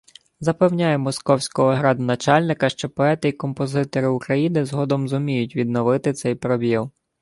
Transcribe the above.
Запевняю московського градоначальника, що поети і композитори України згодом зуміють відновити цей пробіл